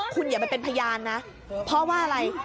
คุณอย่าไปเป็นพยานนะเพราะว่าอะไร